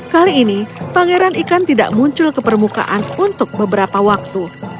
kali ini pangeran ikan tidak muncul ke permukaan untuk beberapa waktu